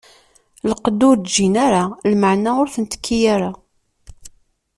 Lqedd ur ǧǧin ara, lmeɛna ur ten-tekki ara.